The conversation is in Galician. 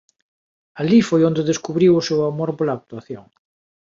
Alí foi onde descubriu o seu amor pola actuación.